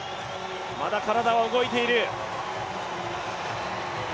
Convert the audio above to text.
まだ体は動いている。